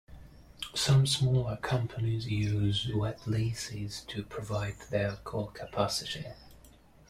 Some smaller companies use wet leases to provide their core capacity.